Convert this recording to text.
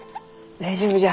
大丈夫じゃ。